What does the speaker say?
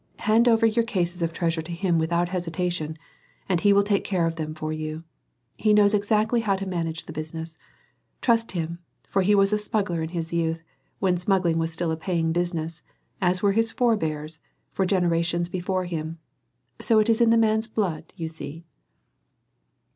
Hand over your cases of treasure to him without hesitation, and he will take care of them for you. He knows exactly how to manage the business, trust him, for he was a smuggler in his youth, when smuggling was still a paying business, as were his forbears for generations before him; so it is in the man's blood, you see."